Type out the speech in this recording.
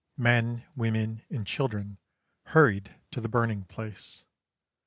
Men, women, and children hurried to the burning place.